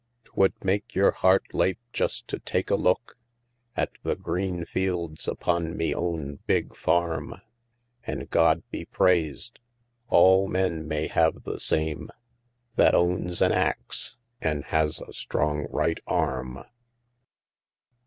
'Twould make yer heart lape just to take a look At the green fields upon me own big farm; An' God be prais'd! all men may have the same That owns an axe! an' has a strong right arm!